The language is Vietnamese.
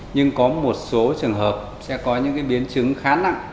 nhưng có một số trường hợp sẽ có những biến chứng khá nặng